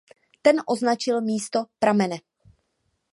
Ten označil místo pramene.